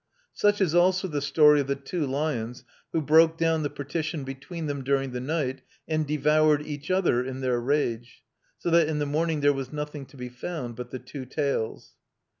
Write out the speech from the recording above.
Such is also the story of the two lions who broke down the partition between them during the night and devoured each other in their rage, so that in the morning there was nothing to be found but the two tails.